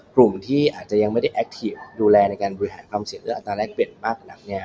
กลุ่มที่อาจจะยังไม่ได้แอคทีฟดูแลในการบริหารความเสี่ยงเรื่องอัตราแรกเปลี่ยนมากนักเนี่ย